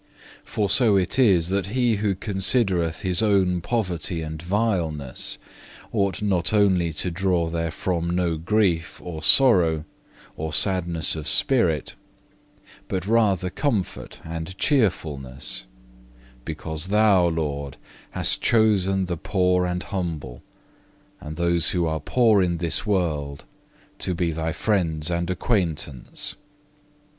For so it is that he who considereth his own poverty and vileness, ought not only to draw therefrom no grief or sorrow, or sadness of spirit, but rather comfort and cheerfulness; because Thou, Lord, hast chosen the poor and humble, and those who are poor in this world, to be Thy friends and acquaintance.